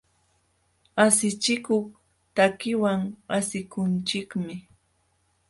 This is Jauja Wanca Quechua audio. Asichikuq takiwan asikunchikmi.